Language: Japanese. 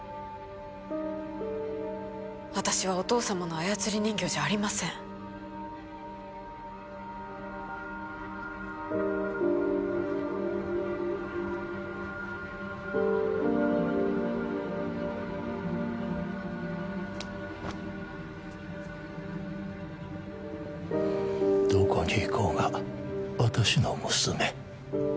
私はお父様の操り人形じゃありませんどこに行こうが私の娘